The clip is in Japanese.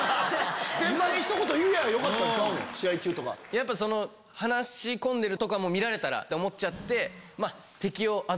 やっぱ話し込んでるとこも見られたらと思っちゃって。